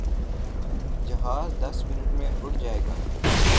جہاز دس منٹ میں اڑ جائے گا۔